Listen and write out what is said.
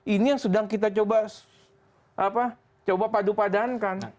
ini yang sedang kita coba padu padankan